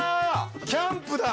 キャンプだ！